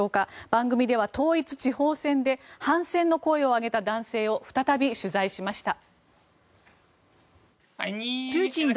番組では統一地方選で反戦の声を上げた男性を再び取材しました。